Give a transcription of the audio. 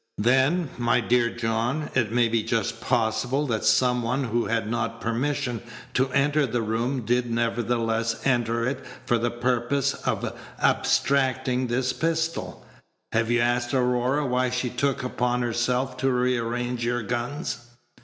"Then, my dear John, it may be just possible Page 177 that some one who had not permission to enter the room did nevertheless enter it for the purpose of abstracting this pistol. Have you asked Aurora why she took upon herself to rearrange your guns?